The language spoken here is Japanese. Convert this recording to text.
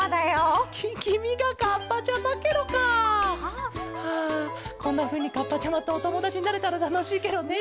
あこんなふうにカッパちゃまとおともだちになれたらたのしいケロね。